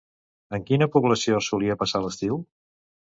En quina població solia passar l'estiu?